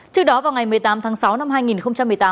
trước đó vào ngày một mươi tám tháng sáu năm hai nghìn một mươi tám